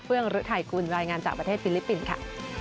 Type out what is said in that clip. ื้องฤทัยกุลรายงานจากประเทศฟิลิปปินส์ค่ะ